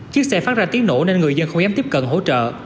chiếc xe phát ra tiếng nổ nên người dân không dám tiếp cận hỗ trợ